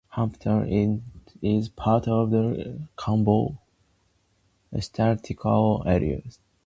Hampton is part of the Camden Micropolitan Statistical Area.